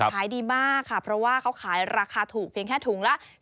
ขายดีมากค่ะเพราะว่าเขาขายราคาถูกเพียงแค่ถุงละ